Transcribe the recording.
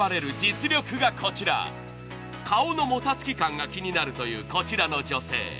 顔のもたつき感が気になるというこちらの女性。